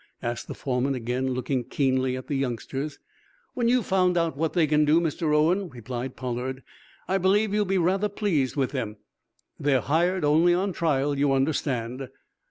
asked the foreman, again looking keenly at the youngsters. "When you've found out what they can do, Mr. Owen," replied Pollard. "I believe you'll be rather pleased with them. They're hired only on trial, you understand."